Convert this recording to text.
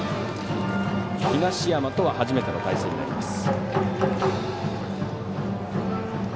東山とは初めての対戦になります。